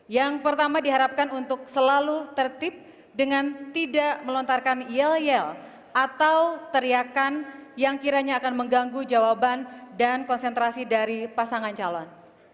yang pertama diharapkan untuk selalu tertib dengan tidak melontarkan yel yel atau teriakan yang kiranya akan mengganggu jawaban dan konsentrasi dari pasangan calon